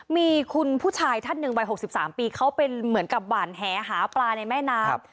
มีคุณผู้ชายท่านหนึ่งวัย๖๓ปีเขาเป็นเหมือนกับหวานแหหาปลาในแม่น้ำ